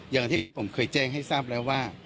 อย่างที่ผมเคยแจ้งให้ทราบแล้วว่า